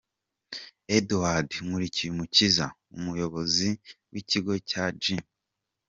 Eduard Nkurikiyumukiza, umuyobozi w’ikigo cya G.